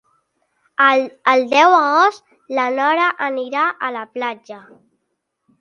El deu d'agost na Nora anirà a la platja.